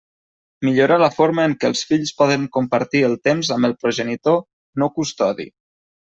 Millorar la forma en què els fills poden compartir el temps amb el progenitor no custodi.